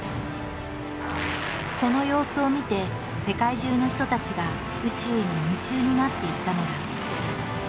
その様子を見て世界中の人たちが宇宙に夢中になっていったのだ。